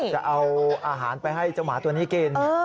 จะเอาอาหารไปให้เจ้าหมาตัวนี้กิน